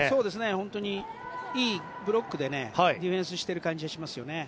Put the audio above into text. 本当にいいブロックでディフェンスしている感じがしますよね。